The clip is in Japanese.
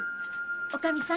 女将さん。